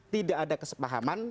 tidak ada kesepahaman